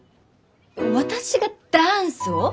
私がダンスを！？